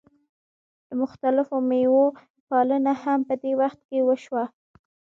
د مختلفو میوو پالنه هم په دې وخت کې وشوه.